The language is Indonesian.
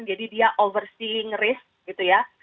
jadi dia overseeing risk gitu ya